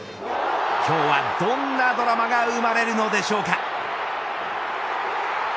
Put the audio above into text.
今日はどんなドラマが生まれるのでしょうか。